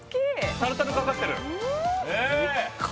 タルタルかかってるデッカ！